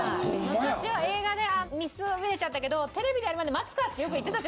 昔は映画で見そびれちゃったけどテレビでやるまで待つかってよく言ってたじゃないですか。